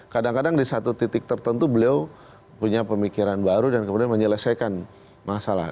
kadang kadang di satu titik tertentu beliau punya pemikiran baru dan kemudian menyelesaikan masalah